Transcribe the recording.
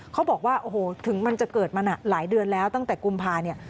เขาบอกว่าโอ้โหถึงมันจะเกิดมาหลายเดือนแล้วตั้งแต่กุมภาเนี่ย